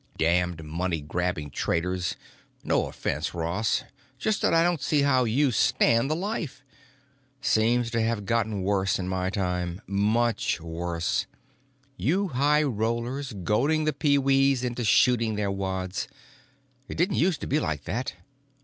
Damned money grabbing traders. No offense, Ross; just that I don't see how you stand the life. Seems to have got worse in my time. Much worse. You high rollers goading the pee wees into shooting their wads—it didn't use to be like that.